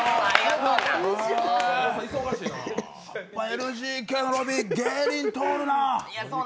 ＮＧＫのロビー、芸人通るな。